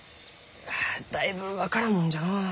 あだいぶ分からんもんじゃのう。